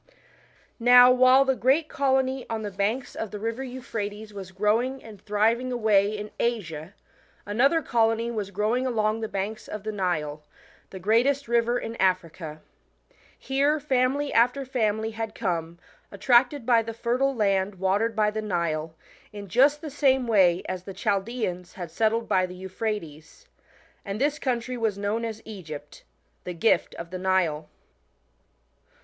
Now, while the great colony on the banks of 1 Mediterranean Sea. 6 INTO EGYPT. the river Euphrates was growing and thriving away in Asia, another colony was growing along the banks of the Nile the greatest river in Africa. Here family after family had come, attracted by the fertile land watered by the Nile, in just the same way as tbe Chaldeans had settled by the Euphrates. And this country was known as Egypt the gift of the Nile.